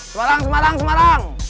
semarang semarang semarang